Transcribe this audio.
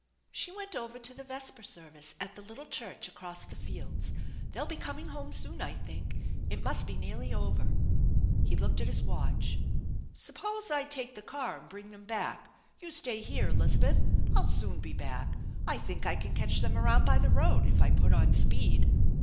" She went over to the vesper service at the little church across the fields. They'll be coming home soon, I think. It must be nearly over." 150 THE ENCHANTED BARN He looked at his watch. " Suppose I take the car and bring them back. You staj here, Elizabeth. I'll soon be back. I think I can catch them around by the road if I put on speed."